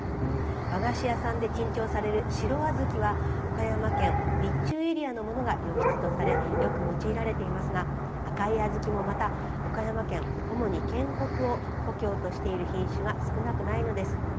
和菓子屋さんで珍重される白小豆は岡山県備中エリアのものが良質とされよく用いられていますが赤い小豆もまた岡山県主に県北を故郷としている品種が少なくないのです。